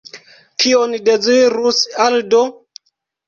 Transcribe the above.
Kion dezirus Aldo?